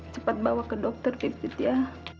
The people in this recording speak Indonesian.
cepat bawa ke dokter pipit ya